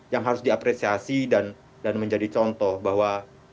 yang harus diapresiasi dan menjadi contoh bahwa